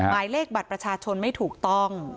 หมายเลขบัตรประชาชนไม่ถูกต้อง